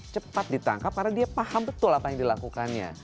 cepat ditangkap karena dia paham betul apa yang dilakukannya